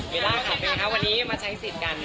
เวลาขับไปไหนคะวันนี้มาใช้สิทธิ์กัน